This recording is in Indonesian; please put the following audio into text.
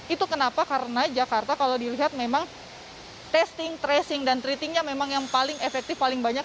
itu kenapa karena jakarta kalau dilihat memang testing tracing dan treatingnya memang yang paling efektif paling banyak